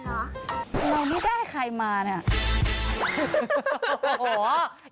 น้อมันได้ใครมาเนี่ย